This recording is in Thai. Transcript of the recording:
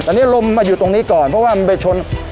อันนี้ลมมาอยู่ตรงนี้ก่อนเพราะว่ามันไปชน